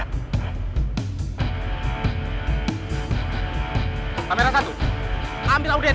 kamera satu ambil audien